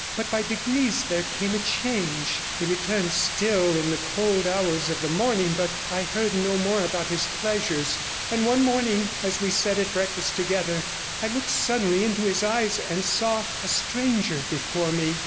But by degrees there came a change; he returned still in the cold hours of the morning, but I heard no more about his pleasures, and one morning as we sat at breakfast together I looked suddenly into his eyes and saw a stranger before me.